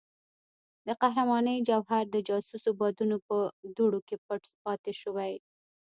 د قهرمانۍ جوهر د جاسوسو بادونو په دوړو کې پټ پاتې شوی.